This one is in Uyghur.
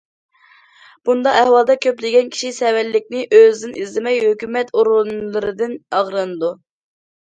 بۇنداق ئەھۋالدا كۆپلىگەن كىشى سەۋەنلىكنى ئۆزىدىن ئىزدىمەي، ھۆكۈمەت ئورۇنلىرىدىن ئاغرىنىدۇ.